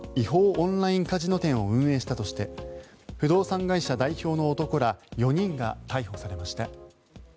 オンラインカジノ店を運営したとして不動産会社代表の男ら４人が逮捕されました。